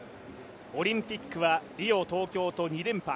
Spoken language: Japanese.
オリンピックはリオ、東京と２連覇。